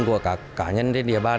của các cá nhân trên địa bàn